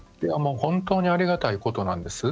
本当にありがたいことなんです。